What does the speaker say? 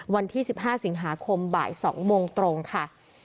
วันที่๑๕สิงหาคมบ่าย๒โมงตรงค่ะ